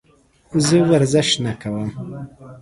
زه ورزش نه کوم.